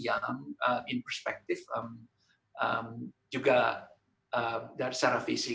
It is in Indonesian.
dari perspektif juga dari cara fisik